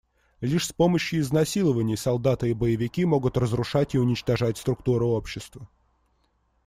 Лишь с помощью изнасилований солдаты и боевики могут разрушать и уничтожать структуру общества.